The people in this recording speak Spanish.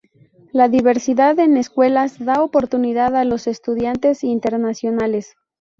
La diversidad en escuelas da oportunidad a los estudiantes internacionales.